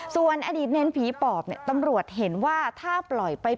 ส่วนอดีตเนรผีปอบเนี่ยตำรวจเห็นว่าถ้าปล่อยไป